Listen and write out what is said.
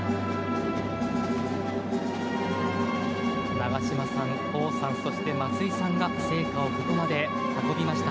長嶋さん、王さんそして、松井さんが聖火をここまで運びました。